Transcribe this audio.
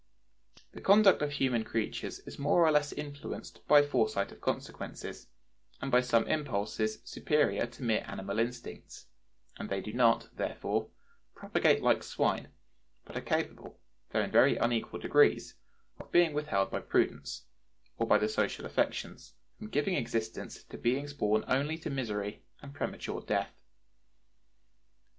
The conduct of human creatures is more or less influenced by foresight of consequences, and by some impulses superior to mere animal instincts; and they do not, therefore, propagate like swine, but are capable, though in very unequal degrees, of being withheld by prudence, or by the social affections, from giving existence to beings born only to misery and premature death.